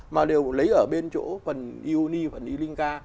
mà đều lấy ở bên chỗ phần ioni phần ilinga